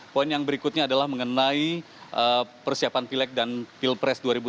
poin yang berikutnya adalah mengenai persiapan pilek dan pilpras